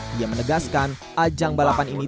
dia menegaskan ajang balapan ini